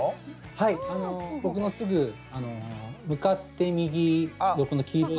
はい僕のすぐ向かって右横の黄色い。